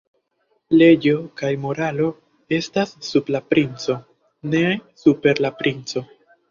Leĝo kaj moralo estas sub la princo, ne super la princo.